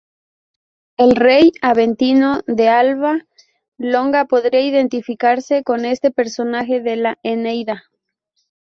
El rey Aventino de Alba Longa podría identificarse con este personaje de la Eneida.